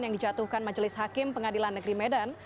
yang dijatuhkan majelis hakim pengadilan negeri medan